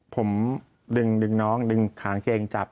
ผมดึงน้องดึงขางเกงจับ